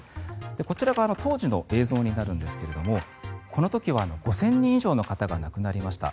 こちらが当時の映像になるんですがこの時は５０００人以上の方が亡くなりました。